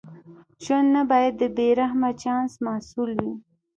ژوند نه باید د بې رحمه چانس محصول وي.